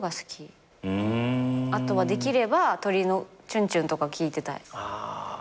あとはできれば鳥のチュンチュンとか聞いてたい。